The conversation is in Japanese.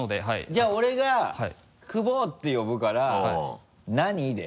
じゃあ俺が「久保」って呼ぶから「何？」で。